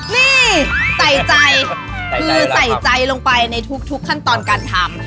นี่ใส่ใจคือใส่ใจลงไปในทุกขั้นตอนการทำ